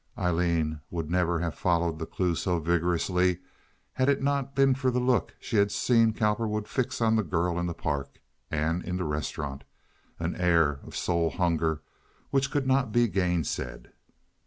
Aileen would never have followed the clue so vigorously had it not been for the look she had seen Cowperwood fix on the girl in the Park and in the restaurant—an air of soul hunger which could not be gainsaid.